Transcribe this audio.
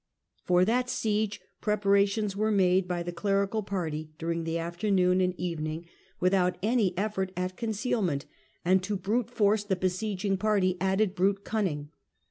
For that siege preparations were made by the clerical party during the afternoon and even ing, without any effort at concealment, and to brute force the besieging party added brute cunning.